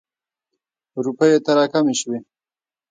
روپیو ته را کمې شوې.